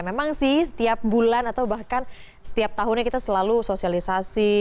memang sih setiap bulan atau bahkan setiap tahunnya kita selalu sosialisasi